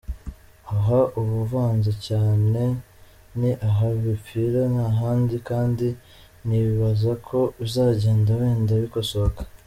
Aha uba uvanze cyane ni aha bipfira ntahandi kandi ndibaza ko bizagenda wenda bikosoka.